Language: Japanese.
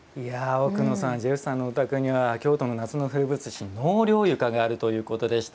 奥野さんジェフさんのお宅には京都の夏の風物詩納涼床があるということでした。